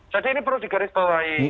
tanda ini perlu digaris bawahi